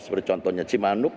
seperti contohnya cimanuk